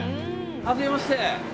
はじめまして。